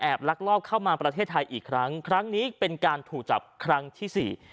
ลักลอบเข้ามาประเทศไทยอีกครั้งครั้งนี้เป็นการถูกจับครั้งที่สี่